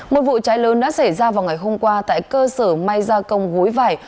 một vụ cháy lớn đã xảy ra vào ngày hôm qua tại cơ sở may gia công gối vải